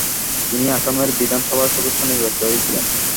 তিনি আসামের বিধান সভার সদস্য নির্বাচিত হয়েছিলেন।